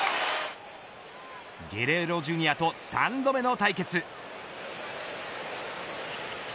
ゲレーロＪｒ．と３度目の対決。